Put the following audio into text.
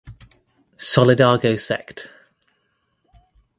Solidago sect.